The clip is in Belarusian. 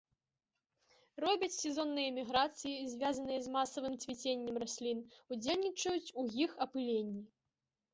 Робяць сезонныя міграцыі, звязаныя з масавым цвіценнем раслін, удзельнічаюць у іх апыленні.